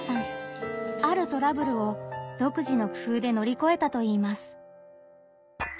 あるトラブルを独自の工夫でのりこえたといいます。